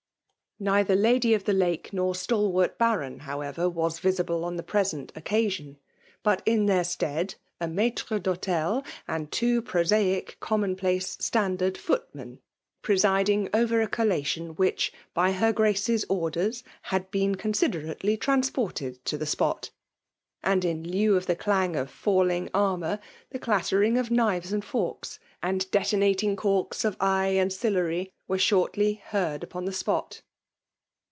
Neither Lady of the Lake^ nor stalwart Baron, however, was visible on the present occasion ; but, in their stead, a maitre dhdtel and two prosaic commonplace standard foot men^ presiding over a collation which, by her Grace's ordera, had been considerately trans ported to the spot ; and in lieu of the clang of falling armour, the clattering of knives and forks, and detonating corks of Ay and Sillery, were shortly heard upon the spot.